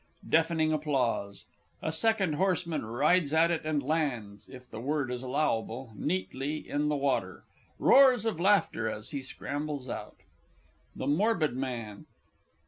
Deafening applause. A second horseman rides at it, and lands if the word is allowable neatly in the water. Roars of laughter as he scrambles out._ THE MORBID MAN.